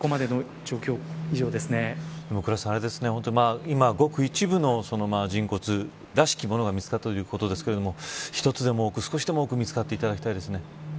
倉田さん、今ごく一部の人骨らしきものが見つかったということですが一つでも多く、少しでも多く見つかっていただきたいですね。